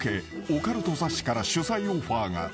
オカルト雑誌から取材オファーが］